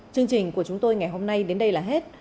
chương trình của chúng tôi ngày hôm nay đến đây là hết